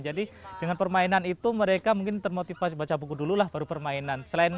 jadi dengan permainan itu mereka mungkin termotivasi baca buku dulu lah baru permainan